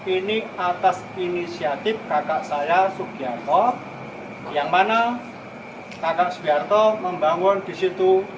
ini atas inisiatif kakak saya sugiharto yang mana kakak sugiharto membangun di situ